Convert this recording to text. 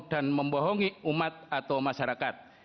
dan membohongi umat atau masyarakat